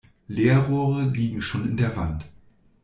Leerrohre liegen schon in der Wand.